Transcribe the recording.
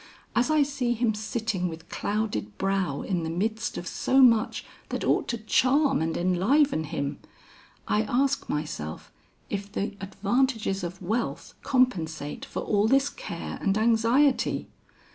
As I see him sitting with clouded brow in the midst of so much that ought to charm and enliven him, I ask myself if the advantages of wealth compensate for all this care and anxiety.